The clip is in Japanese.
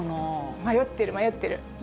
迷ってる、迷ってる。